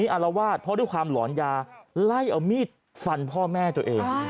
อารวาสเพราะด้วยความหลอนยาไล่เอามีดฟันพ่อแม่ตัวเอง